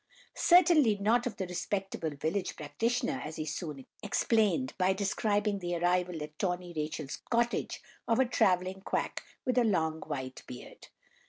Certainly not of the respectable village practitioner, as he soon explained, by describing the arrival at Tawny Rachel's cottage of a travelling quack with a long white beard.